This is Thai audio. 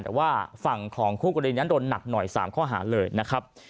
แต่ว่าฝั่งของคู่กรณีนั้นโดนหนักหน่อย๓ข้อหาเลยนะครับ